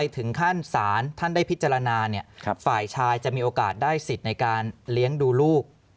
ถึงขั้นศาลท่านได้พิจารณาฝ่ายชายจะมีโอกาสได้สิทธิ์ในการเลี้ยงดูลูก